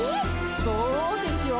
「どうでしょう」